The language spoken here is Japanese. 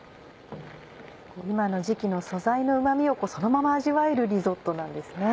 今の時期の素材のうま味をそのまま味わえるリゾットなんですね。